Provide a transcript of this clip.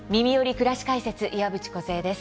くらし解説」岩渕梢です。